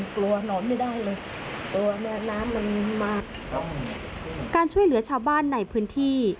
การช่วยเหลือชาวบ้านในพื้นที่